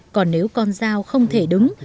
còn nếu con dao không thể đứng